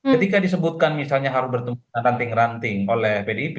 ketika disebutkan misalnya harus bertemu dengan ranting ranting oleh pdip